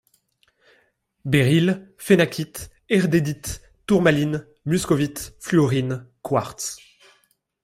Béryl, phénakite, herdérite, tourmaline, muscovite, fluorine, quartz.